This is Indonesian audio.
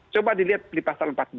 coba dilihat di pasal empat belas